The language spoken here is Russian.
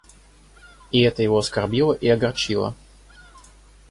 И это его оскорбило и огорчило.